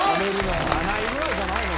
７位ぐらいじゃないの？